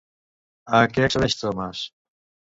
A què accedeix Thomas?